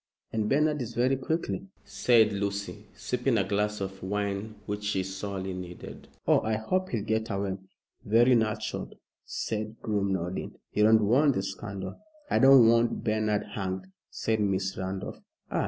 "And Bernard is very quick," said Lucy, sipping a glass of wine which she sorely needed. "Oh, I hope he'll get away!" "Very natural," said Groom, nodding. "You don't want the scandal." "I don't want Bernard hanged," said Miss Randolph. "Ah!